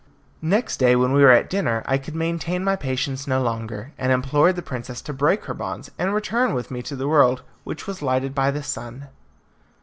Next day, when we were at dinner, I could maintain my patience no longer, and implored the princess to break her bonds, and return with me to the world which was lighted by the sun.